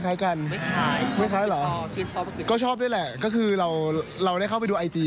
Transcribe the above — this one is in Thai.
ถ้าถามว่าเราหวังไหมใครบ้างไม่หวังพี่